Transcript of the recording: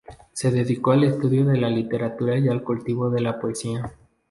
Se dedicó al estudio de la literatura y al cultivo de la poesía.